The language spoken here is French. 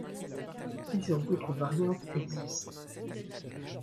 Plusieurs autres variantes existent.